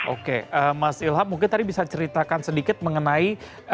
oke mas ilham mungkin tadi bisa ceritakan sedikit mengenai